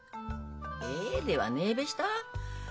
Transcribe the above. ではねえべした。